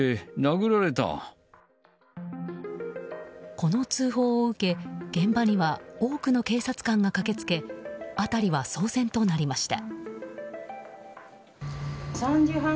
この通報を受け、現場には多くの警察官が駆けつけ辺りは騒然となりました。